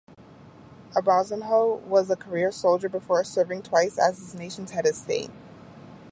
Obasanjo was a career soldier before serving twice as his nation's head of state.